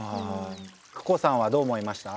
ＫＵＫＯさんはどう思いました？